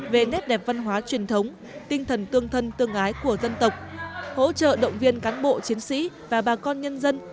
về nét đẹp văn hóa truyền thống tinh thần tương thân tương ái của dân tộc hỗ trợ động viên cán bộ chiến sĩ và bà con nhân dân